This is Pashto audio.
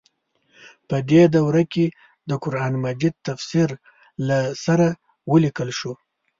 په دې دوره کې د قران مجید تفسیر له سره ولیکل شو.